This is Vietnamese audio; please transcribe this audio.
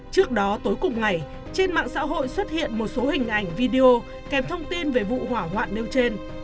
trước đó tối cùng ngày trên mạng xã hội xuất hiện một số hình ảnh video kèm thông tin về vụ hỏa hoạn nêu trên